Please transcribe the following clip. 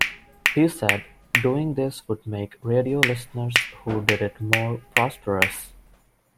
He said doing this would make radio listeners who did it more prosperous.